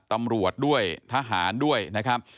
ตำรวจด้วยทหารด้วยนะครับ